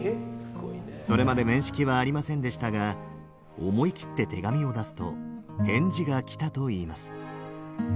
それまで面識はありませんでしたが思い切って手紙を出すと返事が来たといいます。